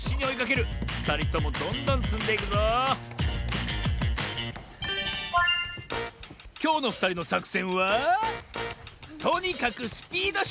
ふたりともどんどんつんでいくぞきょうのふたりのさくせんはとにかくスピードしょうぶ！